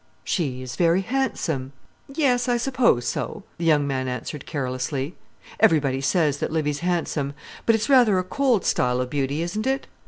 "She is very handsome." "Yes, I suppose so," the young man answered carelessly. "Everybody says that Livy's handsome; but it's rather a cold style of beauty, isn't it?